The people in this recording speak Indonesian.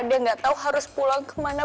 dia nggak tahu harus pulang kemana